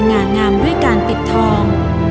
ดูกระหน่างามด้วยการติดทอง